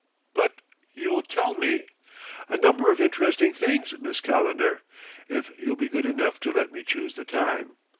"But you will tell me " "A number of interesting things, Miss Calendar, if you'll be good enough to let me choose the time.